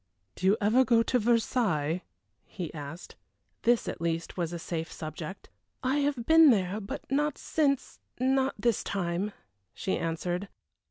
"Do you ever go to Versailles?" he asked. This, at least, was a safe subject. "I have been there but not since not this time," she answered.